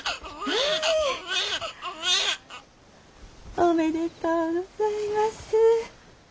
おめでとうございます。